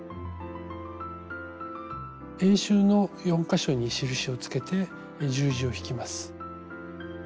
円周の４か所に印をつけて十字を引きます。